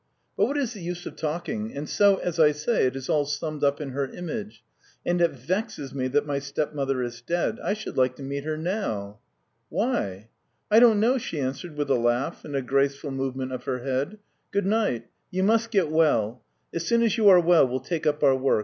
But what is the use of talking! And so, as I say, it is all summed up in her image. ... And it vexes me that my stepmother is dead. I should like to meet her now!" "Why?" "I don't know," she answered with a laugh and a graceful movement of her head. "Good night. You must get well. As soon as you are well, we'll take up our work.